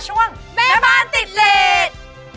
ช่วงแม่บ้านติดเลส